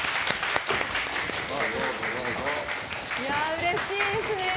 うれしいですね！